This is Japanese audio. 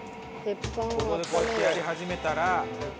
ここでこうやってやり始めたら。